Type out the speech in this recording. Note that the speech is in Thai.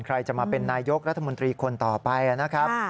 ใครจะมาเป็นนายกรัฐมนตรีคนต่อไปนะครับ